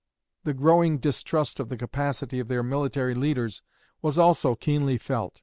The growing distrust of the capacity of their military leaders was also keenly felt.